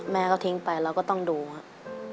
แม่ก็ทิ้งไปเราก็ต้องดูครับ